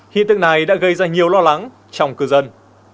hiện tượng này đã gây ra nhiều lo lắng trong cư dân